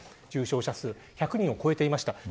重症者数１００人を超えていました。